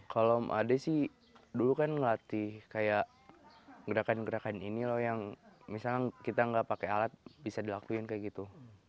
kalau ade sih dulu kan ngelatih kayak gerakan gerakan ini loh yang misalnya kita nggak pakai alat bisa dilakuin kayak gitu